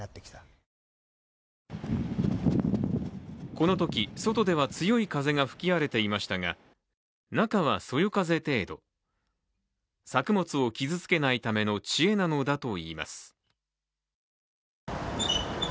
このとき、外では強い風が吹き荒れていましたが中はそよ風程度、作物を傷つけないための知恵なのだといいます。